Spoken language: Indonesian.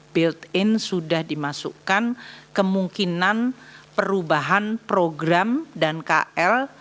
build in sudah dimasukkan kemungkinan perubahan program dan kl